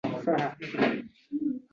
Ularning hakamlariga yuragim achiydi.